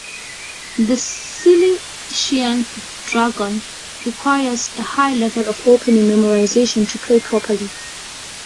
The Sicilian Dragon requires a high level of opening memorization to play properly.